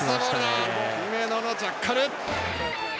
姫野のジャッカル！